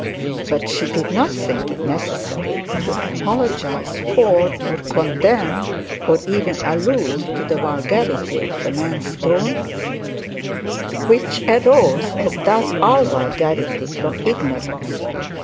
But she did not think it necessary to apologise for, or condemn, or even allude to the vulgarity of the man's tone, which arose, as does all vulgarity, from ignorance.